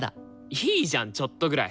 いいじゃんちょっとぐらい！